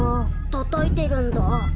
たたいてるんだ？